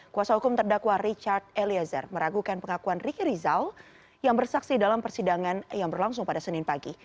kuasa hukum terdakwa richard eliezer meragukan pengakuan riki rizal yang bersaksi dalam persidangan yang berlangsung pada senin pagi